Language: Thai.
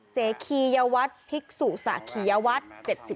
เคคียวัฒน์ภิกษุสะคียวัฒน์